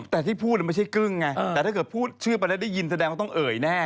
แต่ที่พูดไม่ใช่กึ้งไงแต่ถ้าเกิดพูดชื่อไปแล้วได้ยินแสดงว่าต้องเอ่ยแน่